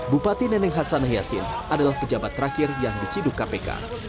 bupati neneng hasan yassin adalah pejabat terakhir yang diciduk kpk